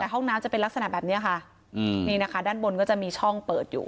แต่ห้องน้ำจะเป็นลักษณะแบบนี้ค่ะอืมนี่นะคะด้านบนก็จะมีช่องเปิดอยู่